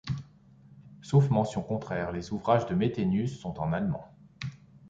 Sauf mention contraire, les ouvrages de Mettenius sont en allemand.